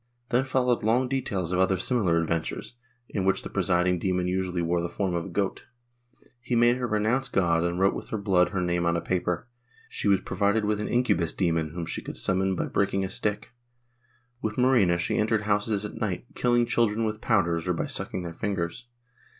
Then followed long details of other similar adventures, in which the presiding demon usually wore the form of a goat. He made her renounce God and wrote with her blood her name on a paper; she was pro vided with an incubus demon whom she could summon by break ing a stick ; with Marina she entered houses at night, killing children with powders or by sucking their fingers.